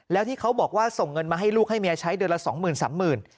แล้วที่เขาบอกว่าส่งเงินมาให้ลูกให้เมียใช้เดือนละ๒๐๐๓๐๐บาท